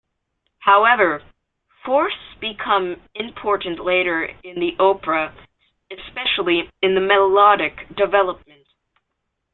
However, fourths become important later in the opera, especially in the melodic development.